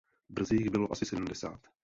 Brzy jich bylo asi sedmdesát.